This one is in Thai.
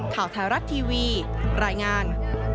ข่าวไทยรัฐทีวีรายงาน